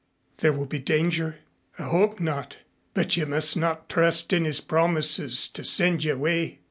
"There will be danger?" "I hope not. But you must not trust his promises to send you away.